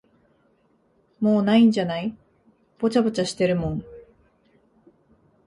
もう無いんじゃない、ぽちゃぽちゃしてるもん。